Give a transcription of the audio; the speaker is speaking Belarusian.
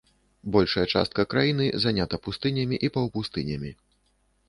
Большая частка краіны занята пустынямі і паўпустынямі.